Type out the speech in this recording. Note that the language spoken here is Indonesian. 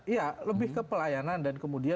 iya lebih ke pelayanan dan kemudian